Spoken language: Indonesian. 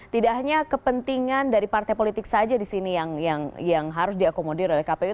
tidak hanya kepentingan dari partai politik saja di sini yang harus diakomodir oleh kpu